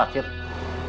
udah ngecek ke phakir